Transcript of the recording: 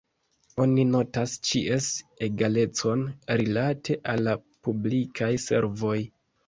Oni notas ĉies egalecon rilate al la publikaj servoj.